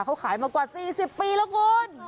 เขาขายมากว่า๔๐ปีแล้วคุณ